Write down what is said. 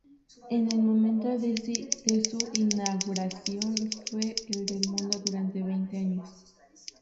En el momento de su inauguración, fue el del mundo durante veinte años.